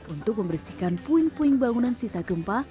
untuk membersihkan puing puing bangunan sisa gempa